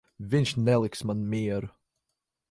Viņš neliks man mieru.